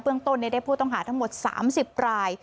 เบื้องต้นเน็ตได้ผู้ต้องหาทั้งหมด๓๐ราย